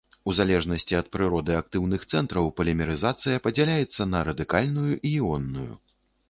У залежнасці ад прыроды актыўных цэнтраў полімерызацыя падзяляецца на радыкальную і іонную.